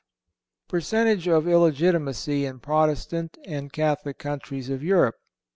Percentage Of Illegitimacy In Protestant And Catholic Countries Of Europe.